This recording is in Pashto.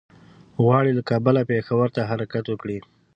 غواړي له کابله پېښور ته حرکت وکړي.